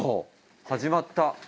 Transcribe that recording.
始まった。